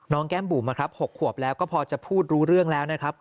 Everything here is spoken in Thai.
แก้มบุ๋มนะครับ๖ขวบแล้วก็พอจะพูดรู้เรื่องแล้วนะครับ